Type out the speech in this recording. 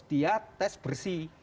dia tes bersih